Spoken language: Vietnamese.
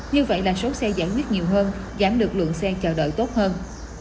như vậy là số xe giảm miết nhiều hơn giảm lượng lượng xe chờ đợi tốt hơn